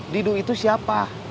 didu itu siapa